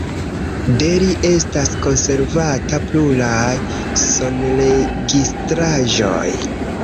De li estas konservata pluraj sonregistraĵoj.